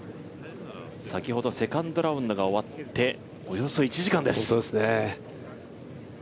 先ほどセカンドラウンドが終わっておよそ１時間です。